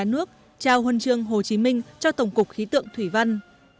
nước trao huân chương hồ chí minh cho tổng cục khí tượng thủy văn